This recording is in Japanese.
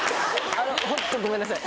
あのホントごめんなさい。